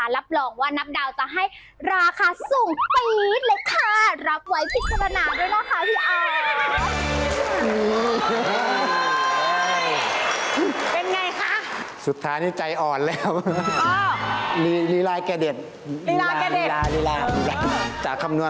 รับรองว่านับดาลจะให้ราคาสูงติดเลยค่ะ